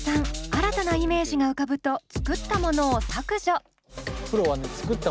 新たなイメージが浮かぶと作ったものを削除。